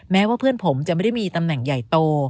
แม้ว่าเพื่อนผมจะไม่ได้มีตำแหน่งใหญ่โต